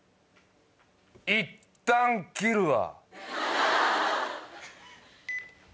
いったん切るわ。